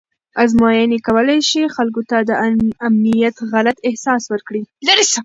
ازموینې کولی شي خلکو ته د امنیت غلط احساس ورکړي.